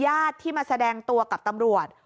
ญาติที่มาแสดงตัวกับตำรวจ